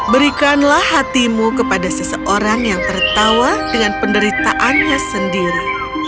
berikanlah hatimu kepada seseorang yang tertawa dengan penderitaannya sendiri